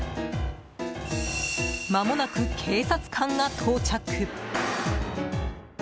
まもなく警察官が到着。